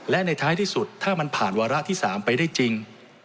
และในท้ายที่สุดถ้ามันผ่านวาระที่๓ไปได้จริง